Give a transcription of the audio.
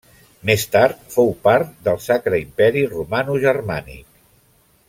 Més tard fou part del Sacre Imperi Romanogermànic.